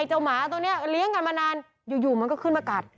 เจ้าหมาตัวนี้เลี้ยงกันมานานอยู่มันก็ขึ้นมากัด